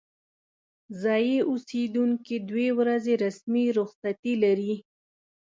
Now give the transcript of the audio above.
ځايي اوسیدونکي دوې ورځې رسمي رخصتي لري.